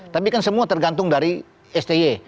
tapi kan semua tergantung dari sti